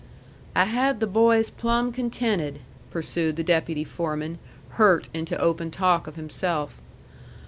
"I had the boys plumb contented," pursued the deputy foreman, hurt into open talk of himself.